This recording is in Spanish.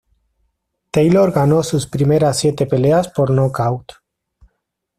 Taylor ganó sus primeras siete peleas por nocaut.